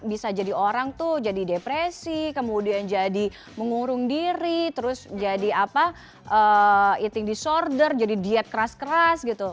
bisa jadi orang tuh jadi depresi kemudian jadi mengurung diri terus jadi apa eating disorder jadi diet keras keras gitu